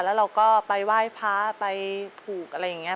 แล้วเราก็ไปไหว้พระไปผูกอะไรอย่างนี้